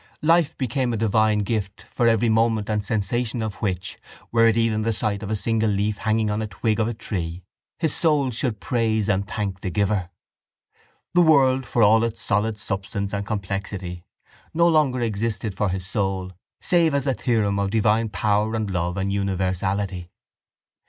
Life became a divine gift for every moment and sensation of which, were it even the sight of a single leaf hanging on the twig of a tree, his soul should praise and thank the Giver. The world for all its solid substance and complexity no longer existed for his soul save as a theorem of divine power and love and universality.